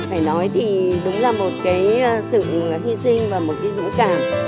phải nói thì đúng là một sự hy sinh và một dũng cảm